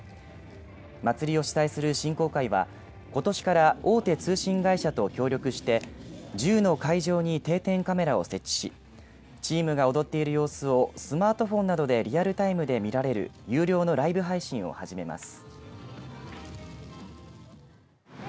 祭りを主催する振興会はことしから大手通信会社と協力して１０の会場に定点カメラを設置しチームが踊っている様子をスマートフォンなどでリアルタイムで見られる有料のライブ配信を始めます。